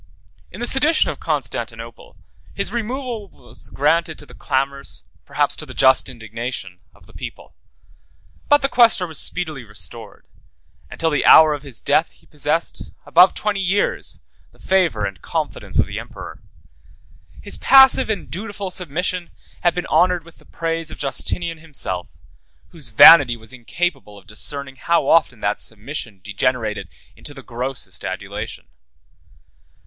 In the sedition of Constantinople, his removal was granted to the clamors, perhaps to the just indignation, of the people: but the quaestor was speedily restored, and, till the hour of his death, he possessed, above twenty years, the favor and confidence of the emperor. His passive and dutiful submission had been honored with the praise of Justinian himself, whose vanity was incapable of discerning how often that submission degenerated into the grossest adulation.